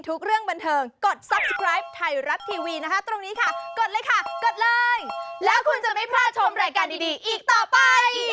โอเควันนี้ขอบคุณทั้ง๓คนมากนะคะขอบคุณค่ะ